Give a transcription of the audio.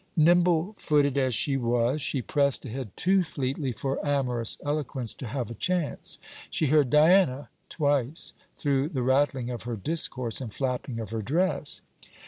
Nimble footed as she was, she pressed ahead too fleetly for amorous eloquence to have a chance. She heard 'Diana!' twice, through the rattling of her discourse and flapping of her dress.